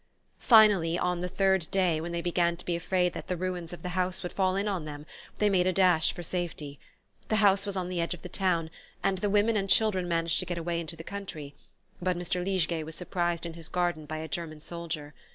Finally, on the third day, when they began to be afraid that the ruins of the house would fall in on them, they made a dash for safety. The house was on the edge of the town, and the women and children managed to get away into the country; but Mr. Liegeay was surprised in his garden by a German soldier.